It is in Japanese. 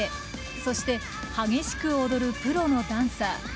そして激しく踊るプロのダンサー。